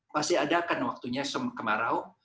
pasti ada kan waktunya kemarau